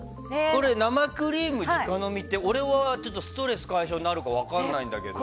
生クリーム直飲みって俺はストレス解消になるか分からないけど。